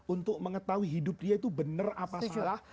untuk mengetahui hidup dia itu benar apa salah